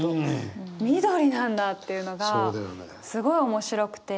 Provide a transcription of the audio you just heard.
緑なんだっていうのがすごい面白くて。